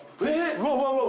うわうわうわ。